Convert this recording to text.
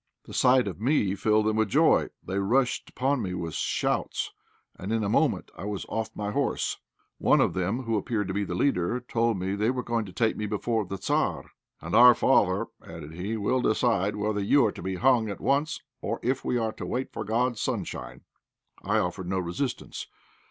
The sight of me filled them with joy. They rushed upon me with shouts, and in a moment I was off my horse. One of them, who appeared to be the leader, told me they were going to take me before the Tzar. "And our father," added he, "will decide whether you are to be hung at once or if we are to wait for God's sunshine!" I offered no resistance.